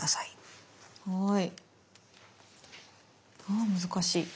あ難しい。